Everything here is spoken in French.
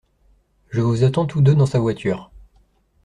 Je vous attends tous deux dans sa voiture.